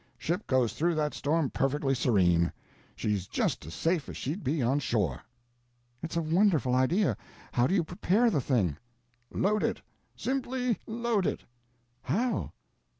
Ship goes through that storm perfectly serene—she's just as safe as she'd be on shore." "It's a wonderful idea. How do you prepare the thing?" "Load it—simply load it." "How?"